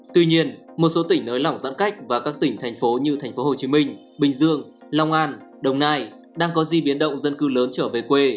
tuy nhiên một số tỉnh nới lỏng giãn cách và các tỉnh thành phố như thành phố hồ chí minh bình dương long an đồng nai đang có di biến động dân cư lớn trở về quê